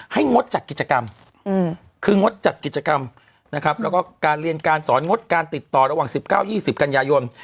งดจัดกิจกรรมคืองดจัดกิจกรรมนะครับแล้วก็การเรียนการสอนงดการติดต่อระหว่าง๑๙๒๐กันยายน